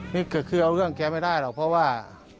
นี่คือเอาเรื่องแกไม่ได้หรอกเพราะว่า